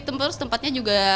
terus tempatnya juga